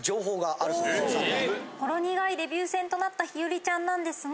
ほろ苦いデビュー戦となった日和ちゃんなんですが。